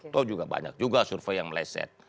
toh juga banyak juga survei yang meleset